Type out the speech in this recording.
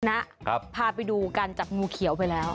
นะพาไปดูการจับงูเขียวไปแล้ว